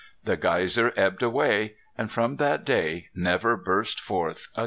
The geyser ebbed away, and from that day never burst forth again.